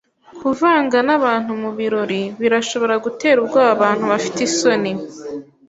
Kuvanga nabantu mubirori birashobora gutera ubwoba abantu bafite isoni.